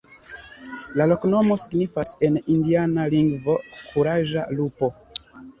La loknomo signifas en indiana lingvo: kuraĝa lupo.